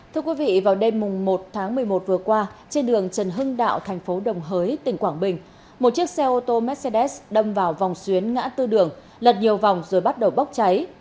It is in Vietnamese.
thưa quý vị vào đêm một tháng một mươi một vừa qua trên đường trần hưng đạo thành phố đồng hới tỉnh quảng bình một chiếc xe ô tô mercedes đâm vào vòng xuyến ngã tư đường lật nhiều vòng rồi bắt đầu bốc cháy